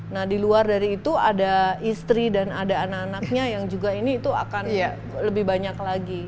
nah di luar dari itu ada istri dan ada anak anaknya yang juga ini itu akan lebih banyak lagi